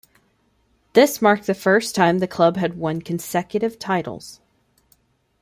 This marked the first time the club had won consecutive titles.